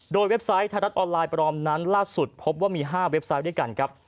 โดยเว็บไซต์ไทยรัฐออนไลน์ปลอมนั้นล่าสุดพบว่ามี๕เว็บไซต์ด้วยกันครับ